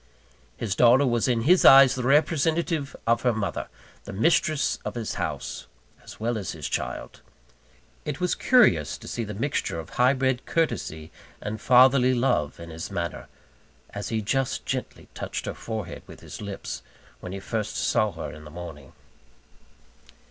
His daughter was in his eyes the representative of her mother: the mistress of his house, as well as his child. It was curious to see the mixture of high bred courtesy and fatherly love in his manner, as he just gently touched her forehead with his lips, when he first saw her in the morning.